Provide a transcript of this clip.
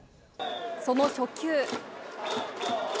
その初球。